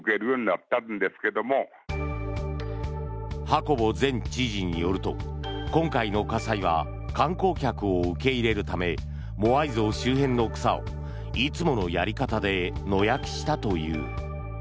ハコボ前知事によると今回の火災は観光客を受け入れるためモアイ像周辺の草をいつものやり方で野焼きしたという。